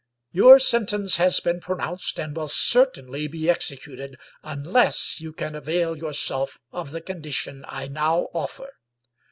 Your sentence has been pronounced, and will certainly be executed unless you can avail yourself of the condition I now offer.